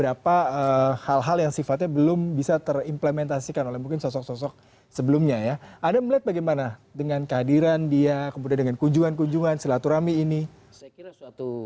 rasa penasaran ataupun rasa